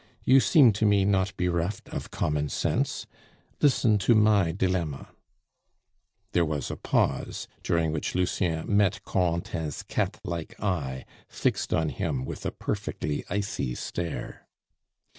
You seem to me not bereft of common sense; listen to my dilemma." There was a pause, during which Lucien met Corentin's cat like eye fixed on him with a perfectly icy stare.